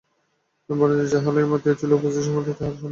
বনোয়ারি যাহা লইয়া মাতিয়া ছিল উপস্থিতমত তাহার শান্তি হইল।